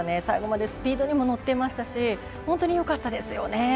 最後までスピードに乗っていましたし本当によかったですよね。